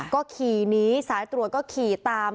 ก็ขี่หนีสายตรวจก็ขี่ตาม